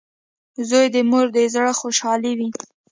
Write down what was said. • زوی د مور د زړۀ خوشحالي وي.